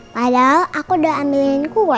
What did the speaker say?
padahal aku udah ambilin kue